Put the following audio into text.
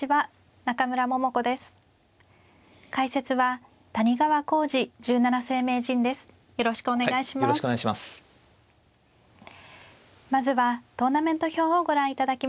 まずはトーナメント表をご覧いただきましょう。